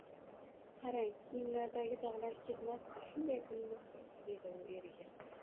Qarang, kiyimlardagi dogʻlar ketmapti, shunday bilinib turibdi, dedi u eriga